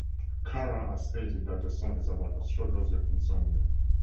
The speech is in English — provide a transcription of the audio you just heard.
Cara has stated that the song is about her struggles with insomnia.